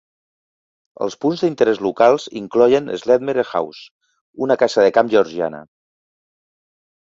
Els punts d'interès locals incloïen Sledmere House, una casa de camp georgiana.